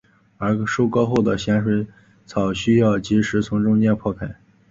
而收割后的咸水草需要即时从中间破开。